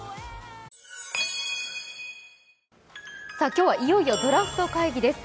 今日はいよいよドラフト会議です。